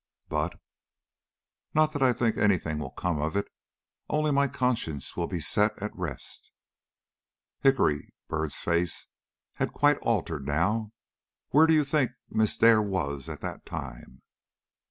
"But " "Not that I think any thing will come of it, only my conscience will be set at rest." "Hickory," Byrd's face had quite altered now "where do you think Miss Dare was at that time?"